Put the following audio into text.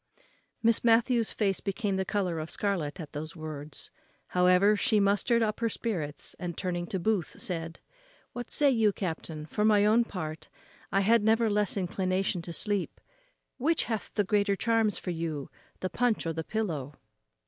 Miss Matthews's face became the colour of scarlet at those words. However, she mustered up her spirits, and, turning to Booth, said, "What say you, captain? for my own part, I had never less inclination to sleep; which hath the greater charms for you, the punch or the pillow?"